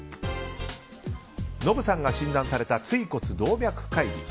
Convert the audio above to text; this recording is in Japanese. ノブさんが診断された椎骨動脈解離。